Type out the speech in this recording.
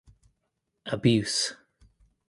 Abuse.